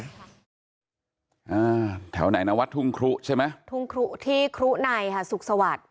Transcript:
แถวไหนนะวัดทุ่งครุใช่ไหมทุ่งครุที่ครุในค่ะสุขสวัสดิ์